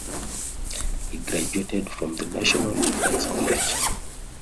He graduated from the National Defense College.